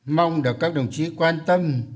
mong được các đồng chí quan tâm